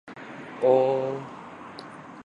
おーん